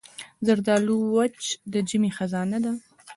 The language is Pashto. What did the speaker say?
زردالو وچ د ژمي خزانه ده.